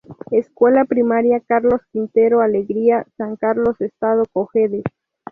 Escuela Primaria Carlos Quintero Alegría San Carlos Estado Cojedes.